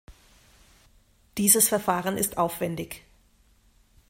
Dieses Verfahren ist aufwändig.